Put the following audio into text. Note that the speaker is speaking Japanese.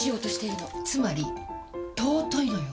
つまり尊いのよ！